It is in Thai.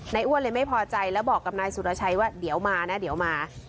อ้วนเลยไม่พอใจแล้วบอกกับนายสุรชัยว่าเดี๋ยวมานะเดี๋ยวมา